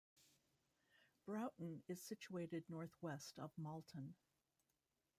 Broughton is situated north-west of Malton.